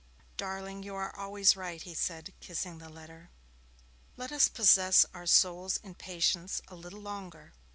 ('Darling, you are always right,' he said, kissing the letter.) 'Let us possess our souls in patience a little longer.